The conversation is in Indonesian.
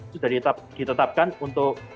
sudah ditetapkan untuk